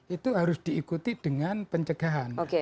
itu harus diikuti dengan pencegahan